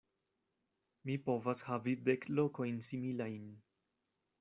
Mi povas havi dek lokojn similajn.